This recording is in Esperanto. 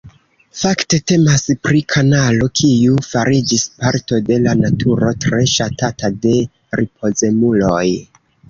Fakte temas pri kanalo, kiu fariĝis parto de la naturo tre ŝatata de ripozemuloj.